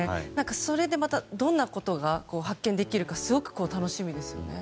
それで、どんなことが発見できるかすごく楽しみですよね。